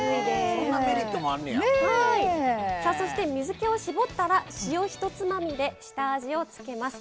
そして水けを絞ったら塩１つまみで下味を付けます。